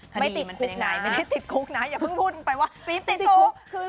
ถ้าดีมันเป็นยังไงไม่ได้ติดคุกนะอย่าเพิ่งพูดไปว่าติดคุกไม่ติดคุก